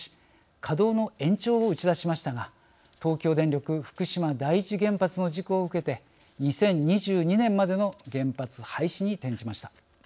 稼働の延長を打ち出しましたが東京電力福島第一原発の事故を受けて２０２２年までの原発廃止に転じました。